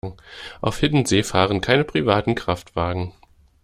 Auf Hiddensee fahren keine privaten Kraftwagen.